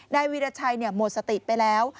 นายวีรชัยเนี่ยหมดสติไปแล้ว